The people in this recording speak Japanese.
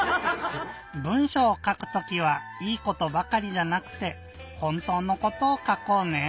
文しょうをかくときはいいことばかりじゃなくてほんとうのことをかこうね！